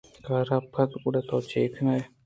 کار ءَ پد گڑا تو چے کن ئے ؟